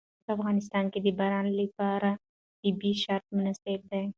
په افغانستان کې د باران لپاره طبیعي شرایط مناسب دي.